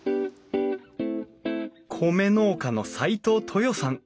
米農家の齋藤トヨさん。